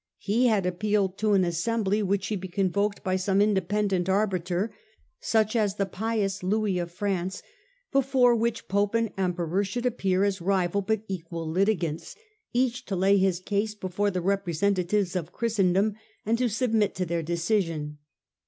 He had appealed to an assembly which should be convoked by some independent arbiter such as the pious Louis of France, before which Pope and Emperor should appear as rival but equal litigants, each to lay his case before the representatives of Christendom and to submit to their decision.